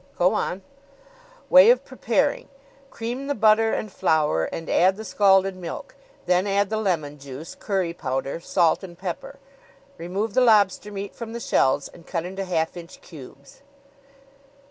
'" "Go on." "'Way of Preparing: Cream the butter and flour and add the scalded milk; then add the lemon juice, curry powder, salt and pepper. Remove the lobster meat from the shells and cut into half inch cubes.'"